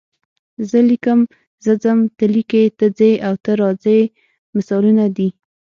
زه لیکم، زه ځم، ته لیکې، ته ځې او ته راځې مثالونه دي.